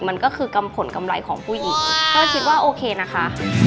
มันก็คือกำผลกำไรของผู้หญิงก็คิดว่าโอเคนะคะ